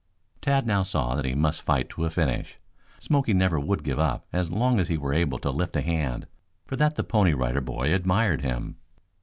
Tad now saw that he must fight to a finish. Smoky never would give up as long as he were able to lift a hand. For that the Pony Rider Boy admired him.